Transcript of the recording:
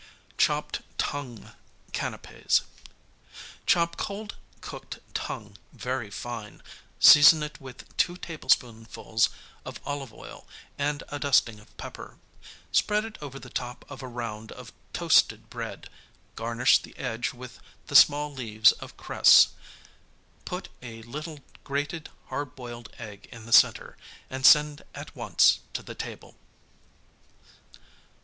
Chopped Tongue Canapķs Chop cold, cooked tongue very fine; season it with two tablespoonfuls of olive oil and a dusting of pepper; spread it over the top of a round of toasted bread; garnish the 65edge with the small leaves of cress, put a little grated hard boiled egg in the center and send at once to the table.